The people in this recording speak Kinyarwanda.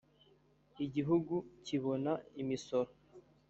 igihugu kibona imisoro